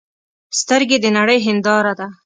سترګې د نړۍ هنداره ده